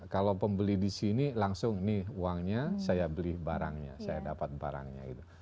kalau pembeli di sini langsung nih uangnya saya beli barangnya saya dapat barangnya gitu